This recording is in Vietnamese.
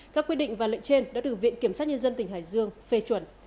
các quyết định và lệnh trên đã được viện kiểm sát nhân dân tỉnh hải dương phê chuẩn